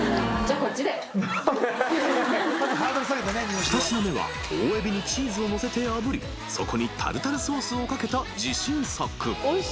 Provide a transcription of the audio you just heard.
［２品目は大エビにチーズをのせてあぶりそこにタルタルソースをかけた自信作］